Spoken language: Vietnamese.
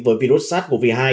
với virus sars cov hai